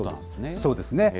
そうですね。